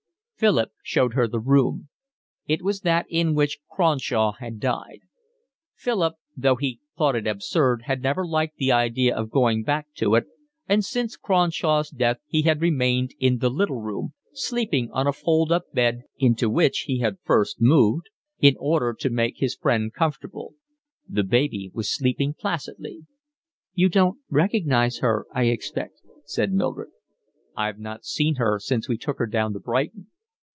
Philip showed her the room. It was that in which Cronshaw had died. Philip, though he thought it absurd, had never liked the idea of going back to it; and since Cronshaw's death he had remained in the little room, sleeping on a fold up bed, into which he had first moved in order to make his friend comfortable. The baby was sleeping placidly. "You don't recognise her, I expect," said Mildred. "I've not seen her since we took her down to Brighton."